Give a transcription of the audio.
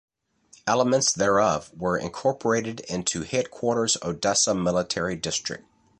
Elements thereof were incorporated into Headquarters Odessa Military District.